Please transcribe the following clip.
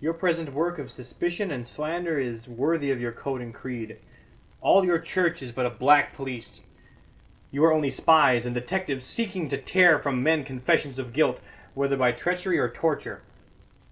Your present work of suspicion and slander is worthy of your coat and creed. All your church is but a black police; you are only spies and detectives seeking to tear from men confessions of guilt, whether by treachery or torture.